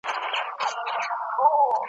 په نامه یې جوړېدلای معبدونه `